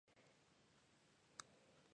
昨日きのうのことなど幻まぼろしだと思おもおう